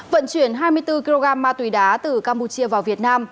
vận chuyển hai mươi bốn kg ma túy đá từ campuchia vào việt nam